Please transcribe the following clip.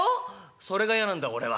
「それがやなんだ俺は」。